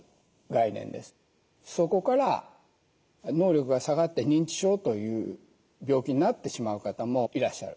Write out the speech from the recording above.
そこから能力が下がって認知症という病気になってしまう方もいらっしゃる。